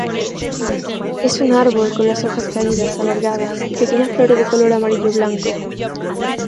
Es un árbol con las hojas caídas, alargadas y pequeñas flores de color amarillo-blanco.